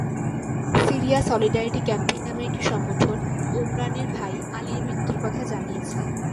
Syria solidarity campaign নামের একটি সংগঠন ওমরানের ভাই আলির মৃত্যুর কথা জানিয়েছে।